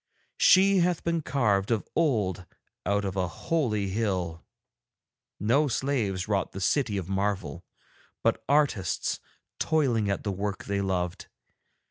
She hath been carved of old out of a holy hill, no slaves wrought the City of Marvel, but artists toiling at the work they loved.